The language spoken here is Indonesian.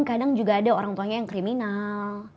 kadang juga ada orang tuanya yang kriminal